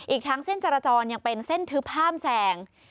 อีกทั้งเส้นจรจรยังเป็นเส้นทึบห้ามแสง